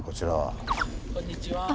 あっこんにちは。